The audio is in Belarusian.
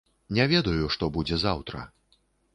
Не ведаю, што будзе заўтра.